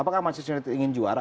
apakah manchester united ingin juara